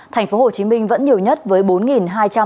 tp hcm vẫn nhiều nhất với bốn hai trăm tám mươi hai ca